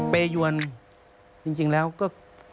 เปยวนจริงแล้วก็